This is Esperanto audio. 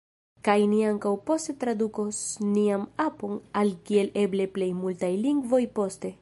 Kaj ni ankaŭ poste tradukos nian apon al kiel eble plej multaj lingvoj poste.